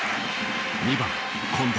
２番近藤。